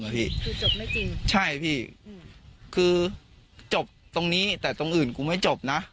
คือจบไม่จริงใช่พี่คือจบตรงนี้แต่ตรงอื่นกูไม่จบนะ